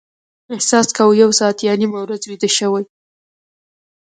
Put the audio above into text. احساس کاوه یو ساعت یا نیمه ورځ ویده شوي.